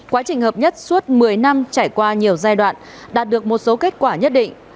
quá trình hợp nhất suốt một mươi năm trải qua nhiều giai đoạn đạt được một số kết quả nhất định